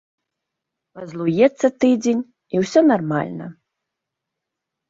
Пазлуецца тыдзень, і ўсё нармальна.